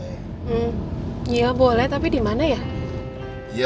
iya boleh tapi dimana ya